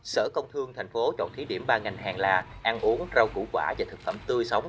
sở công thương thành phố chọn thí điểm ba ngành hàng là ăn uống rau củ quả và thực phẩm tươi sống